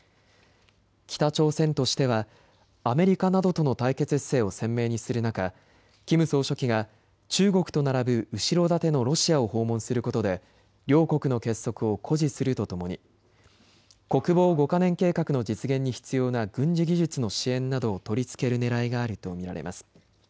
北朝鮮としてはアメリカなどとの対決姿勢を鮮明にする中、キム総書記が中国と並ぶ後ろ盾のロシアを訪問することで両国の結束を誇示するとともに国防５か年計画の実現に必要な軍事技術の支援などを取りつけるねらいがあると見られます。